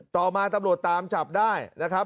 ต่อมาตำรวจตามจับได้นะครับ